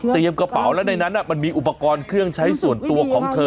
กระเป๋าแล้วในนั้นมันมีอุปกรณ์เครื่องใช้ส่วนตัวของเธอ